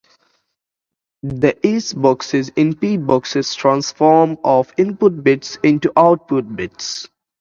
The S-boxes and P-boxes transform of input bits into output bits.